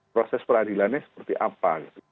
proses peradilannya seperti apa